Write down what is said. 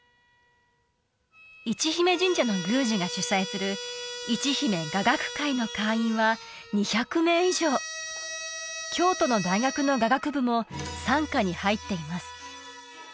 市比賣神社の宮司が主催するいちひめ雅楽会の会員は２００名以上京都の大学の雅楽部も傘下に入っています